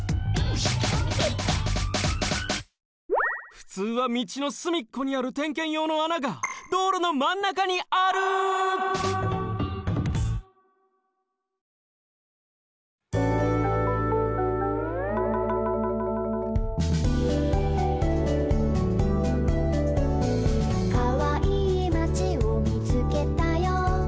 ふつうはみちのすみっこにある点検用のあながどうろのまんなかにある「かわいいまちをみつけたよ」